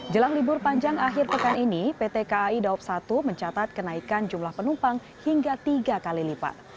jelang libur panjang akhir pekan ini pt kai daob satu mencatat kenaikan jumlah penumpang hingga tiga kali lipat